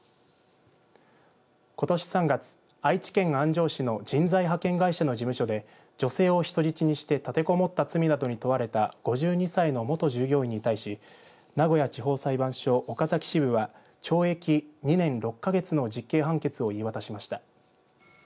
ことし３月、愛知県安城市の人材派遣会社の事務所で女性を人質にして立てこもった罪などに問われた５２歳の元従業員に対し名古屋地方裁判所岡崎支部は懲役２年６か月の実刑判決を言い渡しました。